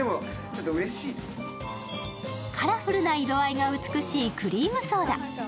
カラフルな色合いが美しいクリームソーダ。